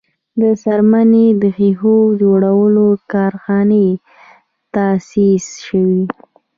د څرمنې او ښیښو جوړولو کارخانې تاسیس شوې.